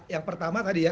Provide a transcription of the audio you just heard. yang pertama tadi ya